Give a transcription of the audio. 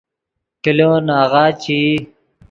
کلو ناغہ چے ای